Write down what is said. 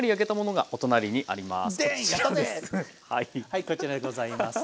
はいこちらございます。